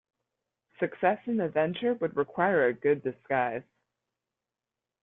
Success in the venture would require a good disguise.